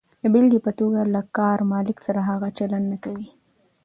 د بېلګې په توګه، له کار مالک سره هغه چلند نه کوئ.